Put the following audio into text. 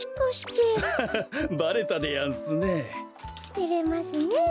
てれますねえ。